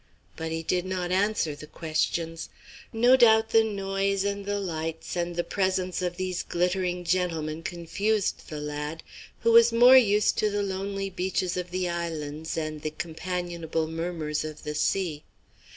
But he did not answer the questions. No doubt the noise and the lights, and the presence of these glittering gentlemen confused the lad, who was more used to the lonely beaches of the islands and the companionable murmurs of the sea.